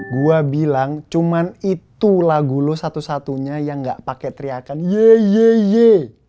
gue bilang cuman itu lagu lo satu satunya yang gak pake teriakan ye ye ye